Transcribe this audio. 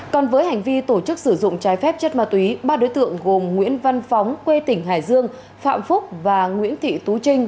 còn với hành vi tổ chức sử dụng trái phép chất ma túy ba đối tượng gồm nguyễn văn phóng quê tỉnh hải dương phạm phúc và nguyễn thị tú trinh